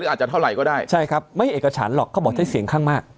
อาจจะเท่าไหร่ก็ได้ใช่ครับไม่เอกฉันหรอกเขาบอกใช้เสียงข้างมาก